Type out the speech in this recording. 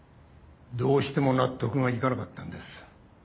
どうしても納得がいかなかったんです。